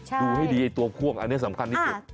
ดูให้ดีไอ้ตัวควงอันนี้สำคัญที่สุด